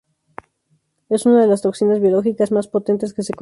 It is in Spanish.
Es una de las toxinas biológicas más potentes que se conocen.